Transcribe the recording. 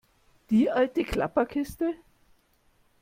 Die alte Klapperkiste?